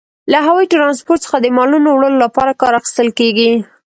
له هوايي ترانسپورت څخه د مالونو وړلو لپاره کار اخیستل کیږي.